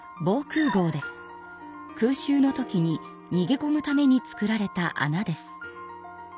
空襲の時ににげこむためにつくられたあなです。